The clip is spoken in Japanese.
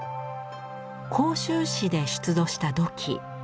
甲州市で出土した土器。